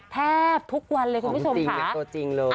แทบทุกวันเลยคุณผู้ชมคะ